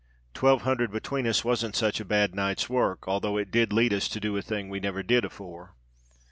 Twelve hundred between us wasn't such a bad night's work—although it did lead us to do a thing we never did afore."